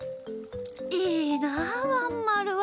いいなあワンまるは。